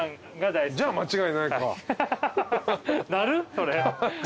それ。